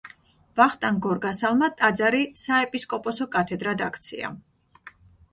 ვახტანგ გორგასალმა ტაძარი საეპისკოპოსო კათედრად აქცია.